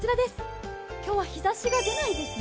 今日は日ざしが出ないですね。